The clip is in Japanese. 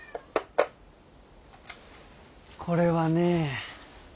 これはねえ。